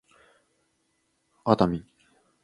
奄美